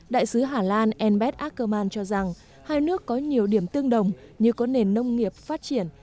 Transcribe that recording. đại sứ hà lan elbet ackerman cho rằng hai nước có nhiều điểm tương đồng như có nền nông nghiệp phát triển